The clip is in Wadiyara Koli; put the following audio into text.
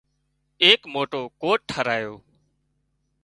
ايڪ موٽو ڪوٽ ٽاهرايو